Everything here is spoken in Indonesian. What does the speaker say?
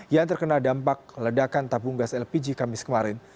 yang terkena dampak ledakan tabung gas lpg kamis kemarin